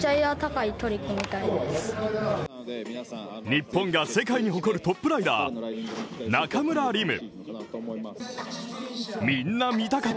日本が世界に誇るトップライダー中村輪夢